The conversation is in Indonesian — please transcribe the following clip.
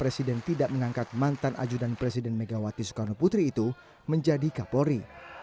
presiden jokowi tidak mengangkat mantan ajudan presiden megawati soekarnoputri itu menjadi kapolri